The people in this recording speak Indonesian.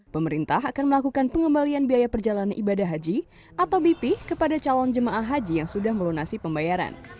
pemerintah akan melakukan pengembalian biaya perjalanan ibadah haji atau bp kepada calon jemaah haji yang sudah melunasi pembayaran